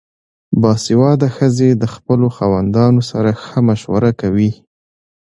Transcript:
باسواده ښځې د خپلو خاوندانو سره ښه مشوره کوي.